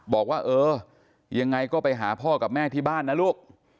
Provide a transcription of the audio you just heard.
บอกว่าเออยังไงก็ไปหาพ่อกับแม่ที่บ้านนะลูก